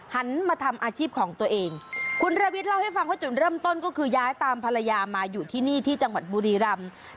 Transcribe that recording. หันมาทำอาชีพของตัวเองคุณระวิทย์เล่าให้ฟังว่าจุดเริ่มต้นก็คือย้ายตามภรรยามาอยู่ที่นี่ที่จังหวัดบุรีรำ